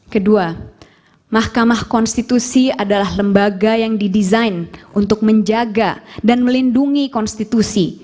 kedua mahkamah konstitusi adalah lembaga yang didesain untuk menjaga dan melindungi konstitusi